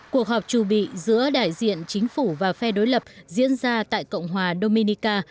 cuộc họp chủ vị giữa đại diện chính phủ và phe đối lập diễn ra tại cộng hòa dominica